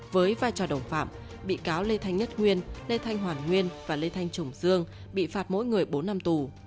với vai trò đồng phạm bị cáo lê thanh nhất nguyên lê thanh hoàn nguyên và lê thanh trùng dương bị phạt mỗi người bốn năm tù